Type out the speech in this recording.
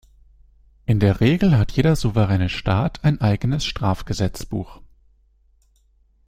In der Regel hat jeder souveräne Staat ein eigenes Strafgesetzbuch.